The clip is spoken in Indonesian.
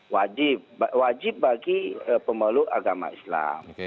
wajib wajib bagi pemeluk agama islam